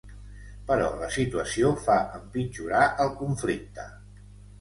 Però la situació fa empitjorar el conflicte.